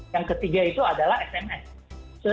yang ketiga itu adalah sms